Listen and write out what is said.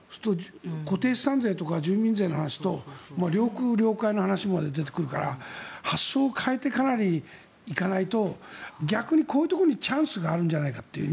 固定資産税とか住民税の話と領空、領海の話も出てくるから発想を変えていかないと逆にこういうところにチャンスがあるんじゃないかっていう。